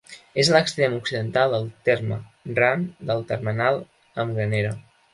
És a l'extrem occidental del terme, ran del termenal amb Granera.